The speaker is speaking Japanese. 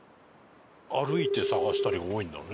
歩いて探したりが多いんだね。